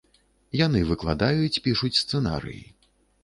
Яны выкладаюць, пішуць сцэнарыі.